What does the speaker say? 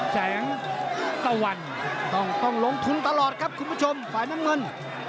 แสงตะวันต้องลงทุนตลอดครับคุณผู้ชมฝ่ายน้ำเงิน